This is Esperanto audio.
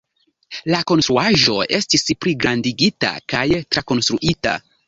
La konstruaĵo estis pligrandigita kaj trakonstruita.